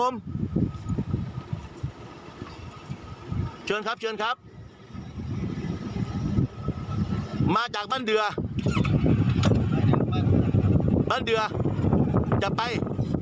มาจากบ้านเดือบ้านเดืออย่าไป